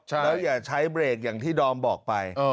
แล้วอย่าใช้เบรกอย่างที่ดอมบอกไป